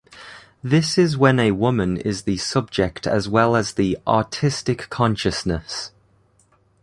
This is when a women is the subject as well as the "artistic consciousness".